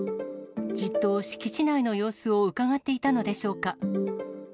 じっと敷地内の様子をうかがっていたのでしょうか。